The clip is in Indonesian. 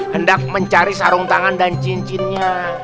hendak mencari sarung tangan dan cincinnya